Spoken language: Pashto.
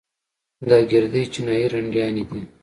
دا ګردې چينايي رنډيانې دي.